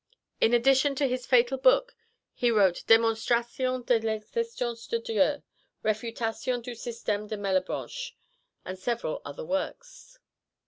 In addition to his fatal book he wrote Démonstration de l'existence de Dieu, Réfutation du Système de Malebranche, and several other works.